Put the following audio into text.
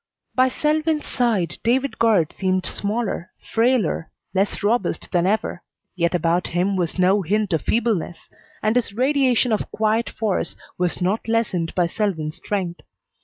By Selwyn's side David Guard seemed smaller, frailer, less robust than ever, yet about him was no hint of feebleness, and his radiation of quiet force was not lessened by Selwyn's strength.